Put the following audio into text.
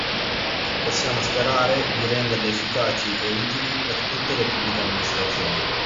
Possiamo sperare di renderle efficaci e utili per tutte le Pubbliche Amministrazioni.